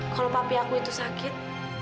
kalau papi aku itu sakit